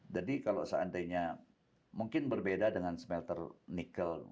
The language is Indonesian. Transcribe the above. jadi kalau seandainya mungkin berbeda dengan smelter nikel